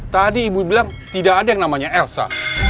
tadi ibu bilang tidak ada yang namanya elsa